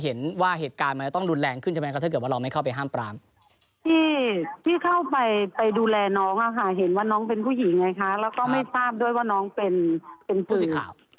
พี่เข้าไปดูแลน้องอะค่ะเห็นว่าน้องเป็นผู้หญิงไงคะแล้วก็ไม่ทราบด้วยว่าน้องเป็นผู้สิทธิ์